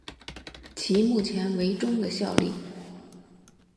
其目前为中的效力。